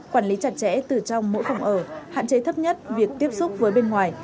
quản lý chặt chẽ từ trong mỗi phòng ở hạn chế thấp nhất việc tiếp xúc với bên ngoài